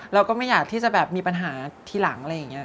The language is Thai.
เราก็ไม่อยากที่จะแบบมีปัญหาทีหลังอะไรอย่างนี้